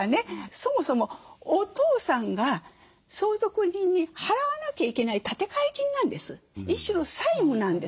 そもそもお父さんが相続人に払わなきゃいけない立て替え金なんです。